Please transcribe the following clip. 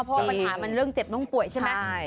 เพราะว่าปัญหามันเรื่องเจ็บต้องป่วยใช่ไหม